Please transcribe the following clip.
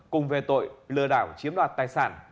cùng về tội lừa đảo chiếm loạt tài sản